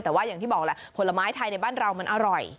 แต่ว่าอย่างที่บอกแหละผลไม้ไทยในบ้านเรามันอร่อย